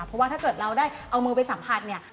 เพราะว่าถ้าเกิดเราได้เอามือไปสัมผัสเนี่ย